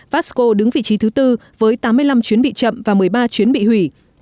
vasco đứng vị trí thứ tư với tám mươi năm chuyến bị chậm và một mươi ba chuyến bị hủy